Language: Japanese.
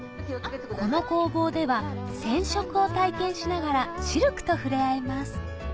この工房では染色を体験しながらシルクと触れ合えます